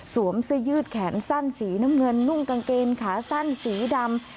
เสื้อยืดแขนสั้นสีน้ำเงินนุ่งกางเกงขาสั้นสีดำ